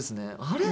あれ？